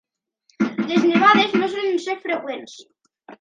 Les nevades no solen ser freqüents.